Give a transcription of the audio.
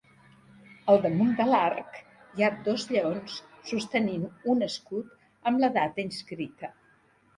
Al damunt de l'arc hi ha dos lleons sostenint un escut amb la data inscrita.